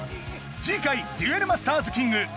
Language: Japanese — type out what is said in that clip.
次回『デュエル・マスターズキング！』